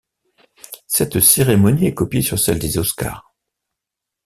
Cette cérémonie est copiée sur celle des Oscars.